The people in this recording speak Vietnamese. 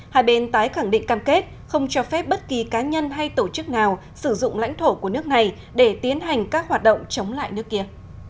hai bên tái khẳng định cam kết không cho phép bất kỳ cá nhân hay tổ chức nào sử dụng lãnh thổ của nước này để tiến hành các hoạt động chống lại nước kia